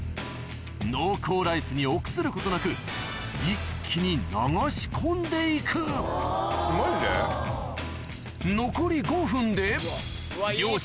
濃厚ライスに臆することなく一気に流し込んで行く両者